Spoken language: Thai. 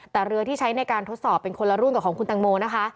แต่เรือที่ใช้ในการทดสอบเป็นคนละรุ่นกับของคุณตังโมนะคะ